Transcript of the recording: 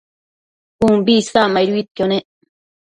umbi isacmaiduidquio nec